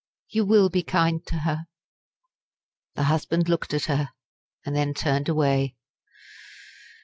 You will be kind to her?" The husband looked at her, and then turned away.